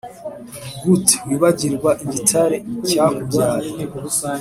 Gut Wibagiwe Igitare cyakubyaye